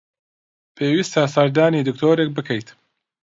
پێویستە سەردانی دکتۆرێک بکەیت.